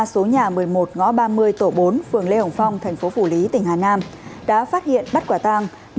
số nhà một mươi một ngõ ba mươi tổ bốn phường lê hồng phong tp phủ lý tỉnh hà nam đã phát hiện bắt quả tàng